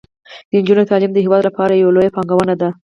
د نجونو تعلیم د هیواد لپاره یوه لویه پانګونه ده.